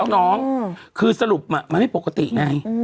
น้องคือสรุปมันไม่ปกติไง